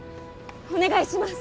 お願いします！